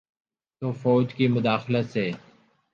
تو فوج کی مداخلت سے۔